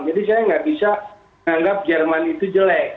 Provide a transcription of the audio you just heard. jadi saya gak bisa menganggap jerman itu jelek